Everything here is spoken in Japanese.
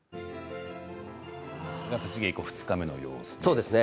立ち稽古２日目の様子ですね。